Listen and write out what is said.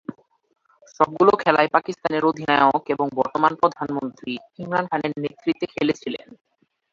সবগুলো খেলাই পাকিস্তানের অধিনায়ক ও বর্তমান প্রধানমন্ত্রী ইমরান খানের নেতৃত্বে খেলেছিলেন।